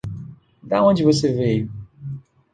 Da onde você veio?